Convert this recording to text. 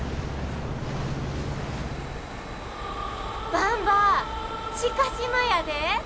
ばんば知嘉島やで！